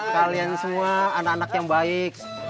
kalian semua anak anak yang baik